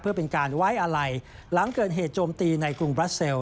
เพื่อเป็นการไว้อะไรหลังเกิดเหตุโจมตีในกรุงบราเซล